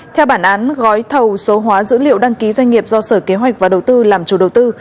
theo bản án gói thầu số hóa dữ liệu đăng ký doanh nghiệp do sở kế hoạch và đầu tư làm chủ đầu tư